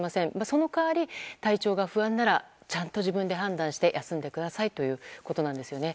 その代わり、体調が不安ならちゃんと自分で判断して休んでくださいということなんですよね。